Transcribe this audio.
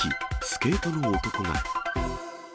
スケートの男が。